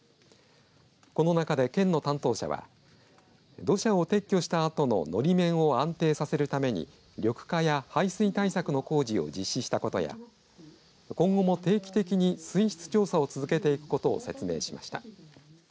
この中で県の担当者は土砂を撤去したあとののり面を安定させるために緑化や排水対策の工事を実施したことや今後も定期的に水質調査を続けていくことを説明しました。